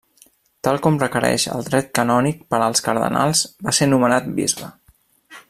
Tal com requereix el dret canònic per als cardenals, va ser nomenat bisbe.